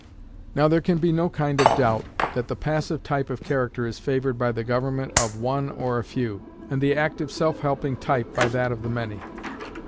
Now there can be no kind of doubt that the passive type of character is favored by the government of one or a few, and the active self helping type by that of the many.